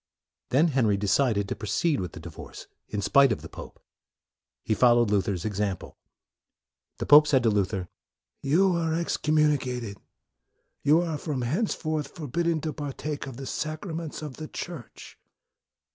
Then Henry decided to proceed with the divorce in spite of the pope. He followed Luther's example. The pope said to Luther, " You are excommuni cated; you are from henceforth forbidden to partake of the sacraments of the Church."